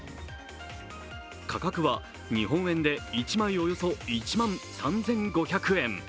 価格は日本円で１枚およそ１万３５００円。